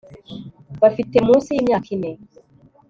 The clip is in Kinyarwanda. bafite munsi y'imyaka ine